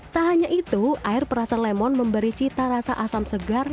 tak hanya itu air perasan lemon memberi cita rasa asam segar